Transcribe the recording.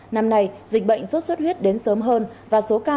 năm nay dịch bệnh sốt xuất huyết đến sớm hơn và số ca